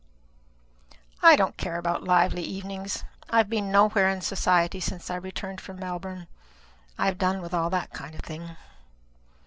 "I don't care about lively evenings. I have been nowhere in society since I returned from Melbourne. I have done with all that kind of thing."